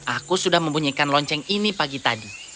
aku sudah membunyikan lonceng ini pagi tadi